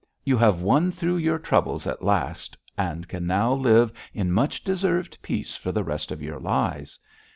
'You have won through your troubles at last, and can now live in much deserved peace for the rest of your lives.